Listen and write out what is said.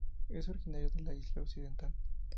Es originario de Asia occidental.